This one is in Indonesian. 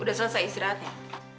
udah selesai istirahatnya